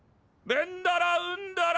ベンダラウンダラ。